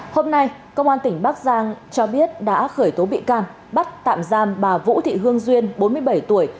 hôm nay công an tỉnh bắc giang cho biết đã khởi tố bị can bắt tạm giam bà vũ thị hương duyên bốn mươi bảy tuổi